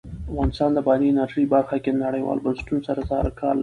افغانستان د بادي انرژي برخه کې له نړیوالو بنسټونو سره کار کوي.